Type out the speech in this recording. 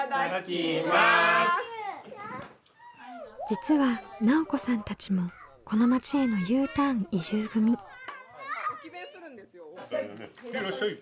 実は奈緒子さんたちもこの町へのＵターン移住組。へいらっしゃい！